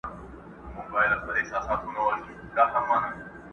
بې پناه ومه، اسره مي اول خدای ته وه بیا تاته.!